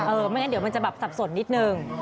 ไม่งั้นเดี๋ยวมันจะแบบสับสนนิดนึง